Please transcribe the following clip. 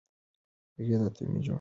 هغې د اتومي جوړښت په اړه اټکل وکړ.